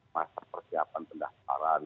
masa persiapan pendaftaran